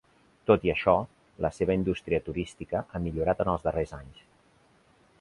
Tot i això, la seva indústria turística ha millorat en els darrers anys.